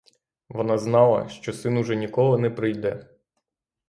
Вона знала, що син уже ніколи не прийде.